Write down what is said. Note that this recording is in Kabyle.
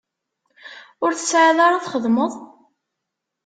Ur tesεiḍ ara txedmeḍ?